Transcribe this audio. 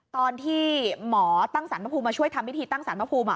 ตอนที่หมอตั้งสารพระภูมิมาช่วยทำพิธีตั้งสารพระภูมิ